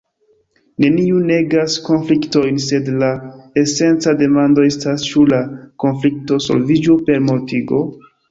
Neniu negas konfliktojn, sed la esenca demando estas, ĉu la konflikto solviĝu per mortigo?